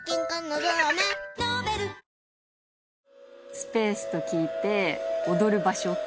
「スペース」と聞いて「踊る場所」。